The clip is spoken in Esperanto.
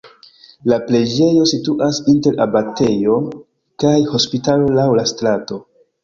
La preĝejo situas inter abatejo kaj hospitalo laŭ la strato.